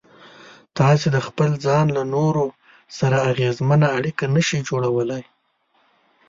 تاسې د خپل ځان له نورو سره اغېزمنه اړيکه نشئ جوړولای.